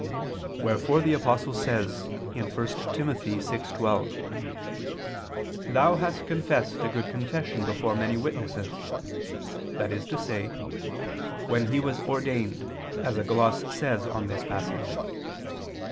Wherefore the Apostle says (1 Tim. 6:12): "Thou ... hast confessed a good confession before many witnesses," that is to say, "when he was ordained," as a gloss says on this passage.